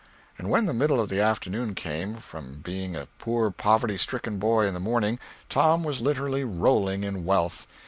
And when the middle of the afternoon came, from being a poor poverty stricken boy in the morning, Tom was literally rolling in wealth.